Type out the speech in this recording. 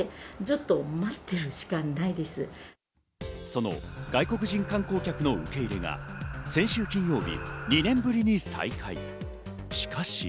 その外国人観光客の受け入れが先週金曜日、２年ぶりに再開。